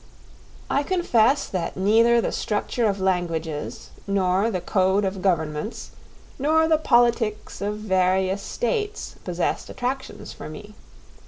I confess that neither the structure of languages, nor the code of governments, nor the politics of various states possessed attractions for me.